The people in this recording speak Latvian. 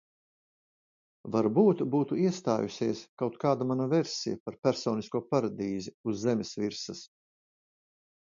Varbūt būtu iestājusies kaut kāda mana versija par personisko paradīzi uz zemes virsas.